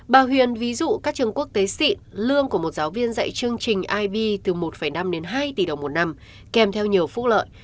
bà huyền ví dụ các trường quốc tế sị lương của một giáo viên dạy chương trình ib từ một năm đến hai tỷ đồng một năm kèm theo nhiều phúc lợi